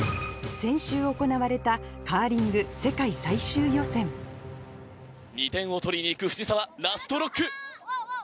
先週行われたカーリング世界最終予選２点を取りに行く藤澤ラストロック。